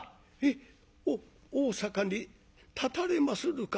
おっ大坂にたたれまするか？